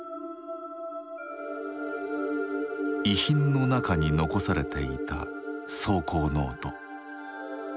遺品の中に残されていた草稿ノート。